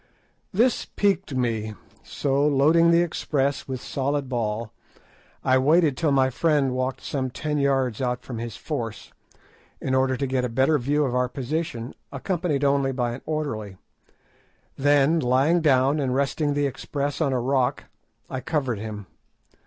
This piqued me, so, loading the express with solid ball, I waited till my friend walked some ten yards out from his force, in order to get a better view of our position, accompanied only by an orderly; then, lying down and resting the express on a rock, I covered him.